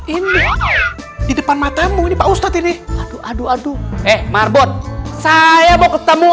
ini di depan matamu ini pak ustadz ini aduh aduh aduh eh marbot saya mau ketemu